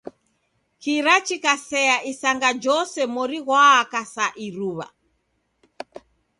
Kira chikasea isanga jose mori ghwaaka sa iruw'a.